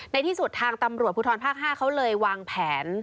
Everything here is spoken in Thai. ในที่สุดทางตำรวจภูทรภาค๕เขาเลยวางแผน